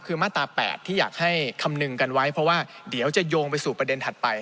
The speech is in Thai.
คือมาตรา๘ที่อยากให้คำนึงกันไว้เพราะว่าเดี๋ยวจะโยงไปสู่ประเด็นถัดไป